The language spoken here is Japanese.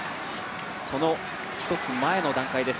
その一つ前の段階です。